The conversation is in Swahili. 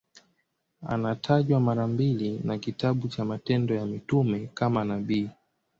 Anatajwa mara mbili na kitabu cha Matendo ya Mitume kama nabii.